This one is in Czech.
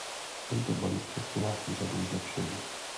Tento balíček přináší řadu zlepšení.